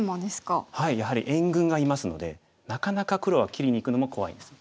やはり援軍がいますのでなかなか黒は切りにいくのも怖いんです。